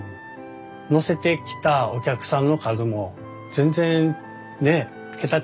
乗せてきたお客さんの数も全然ね桁違いですから。